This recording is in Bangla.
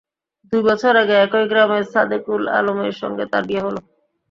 দুই বছর আগে একই গ্রামের সাদেকুল আলমের সঙ্গে তাঁর বিয়ে হয়।